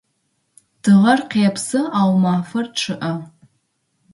Тыгъэр къепсы, ау мафэр чъыӏэ.